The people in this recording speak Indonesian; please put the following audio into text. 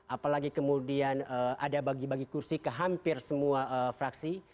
apalagi kemudian ada bagi bagi kursi ke hampir semua fraksi